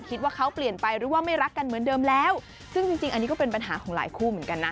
คิดว่าเขาเปลี่ยนไปหรือว่าไม่รักกันเหมือนเดิมแล้วซึ่งจริงจริงอันนี้ก็เป็นปัญหาของหลายคู่เหมือนกันนะ